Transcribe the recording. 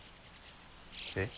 えっ？